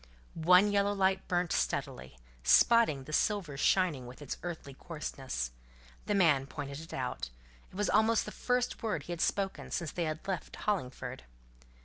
One yellow light burnt steadily, spotting the silver shining with its earthly coarseness. The man pointed it out: it was almost the first word he had spoken since they had left Hollingford.